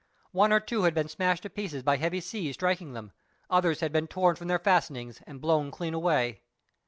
One or two had been smashed to pieces by heavy seas striking them; others had been torn from their fastenings and blown clean away.